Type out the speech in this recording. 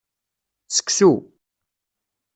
Seksu.